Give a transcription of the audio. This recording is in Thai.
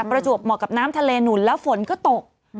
ประจวบเหมาะกับน้ำทะเลหนุนแล้วฝนก็ตก